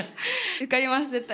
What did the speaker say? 受かります、絶対。